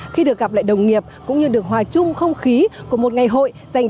khi được gặp lại đồng nghiệp cũng như được hòa chung không khí của một ngày hội dành